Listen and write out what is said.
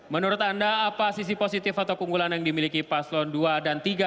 menurut anda apa sisi positif atau keunggulan yang dimiliki paslon dua dan tiga